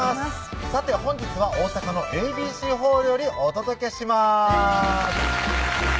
さて本日は大阪のＡＢＣホールよりお届けします